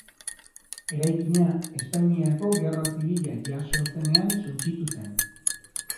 Eraikina Espainiako Gerra Zibila jazo zenean suntsitu zen.